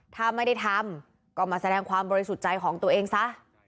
ถ้าไม่ได้ทำก็มาแสดงความบริสุทธิ์ใจของตัวเองซะ